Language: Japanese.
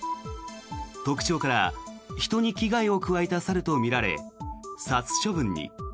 特徴から人に危害を加えた猿とみられ殺処分に。